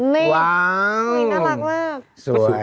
นี้ว้าวนี่น่ารักมาก